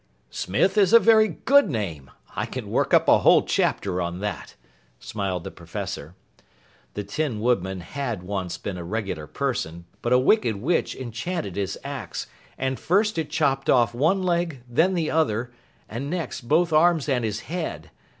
"Smith is a very good name. I can work up a whole chapter on that," smiled the Professor. The Tin Woodman had once been a regular person, but a wicked witch enchanted his ax, and first it chopped off one leg, then the other, and next both arms and his head.